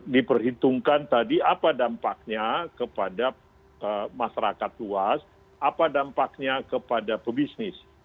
diperhitungkan tadi apa dampaknya kepada masyarakat luas apa dampaknya kepada pebisnis